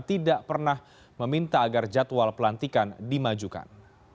tidak pernah meminta agar jadwal pelantikan dimajukan